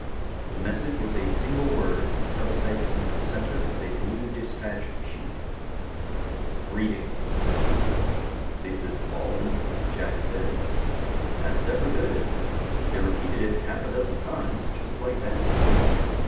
The message was a single word, teletyped in the center of a blue dispatch sheet: GREETINGS "This is all?" Jack said. "That's every bit of it. They repeated it half a dozen times, just like that."